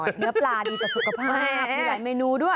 เนื้อปลาดีแต่สุขภาพมีหลายเมนูด้วย